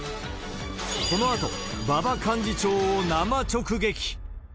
このあと、馬場幹事長を生直撃。